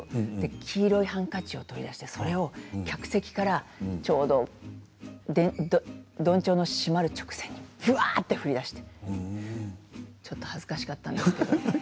黄色いハンカチを取り出してそれを客席からちょうど、どんちょうが閉まる直前にぶわっと振りだしてちょっと恥ずかしかったんですけれど。